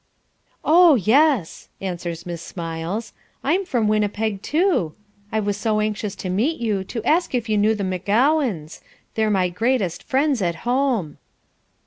"Oh, yes," answers Miss Smiles. "I'm from Winnipeg too. I was so anxious to meet you to ask if you knew the McGowans. They're my greatest friends at home."